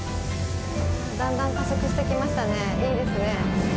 だんだん加速してきましたねいいですね。